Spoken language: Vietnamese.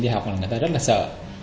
đi học là người ta rất là sợ